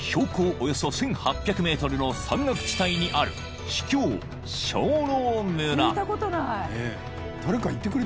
およそ１，８００ｍの山岳地帯にある秘境章朗村］